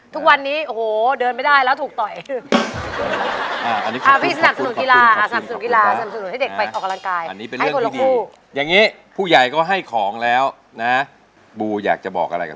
ทุกวันนี้โอ้โหเดินไม่ได้แล้วถูกต่อยเอง